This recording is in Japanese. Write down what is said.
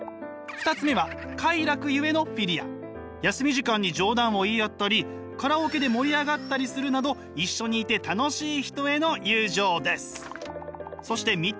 休み時間に冗談を言い合ったりカラオケで盛り上がったりするなど一緒にいて楽しい人への友情です。